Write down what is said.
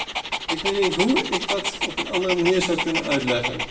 Ik weet niet hoe ik dat op een andere manier zou kunnen uitleggen.